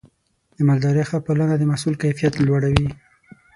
د مالدارۍ ښه پالنه د محصول کیفیت لوړوي.